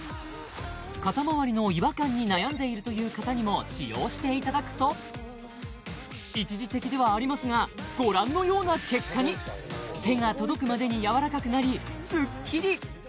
肩周りの違和感に悩んでいるという方にも使用していただくと一時的ではありますがご覧のような結果に手が届くまでにやわらかくなりすっきり！